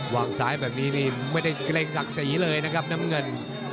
วางซ้ายแบบนี้นี่ไม่ได้เกรงศักดิ์ศรีเลยนะครับน้ำเงิน